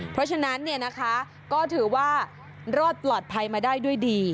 เพราะฉะนั้นก็ถือว่ารอดปลอดภัยมาได้ด้วยดี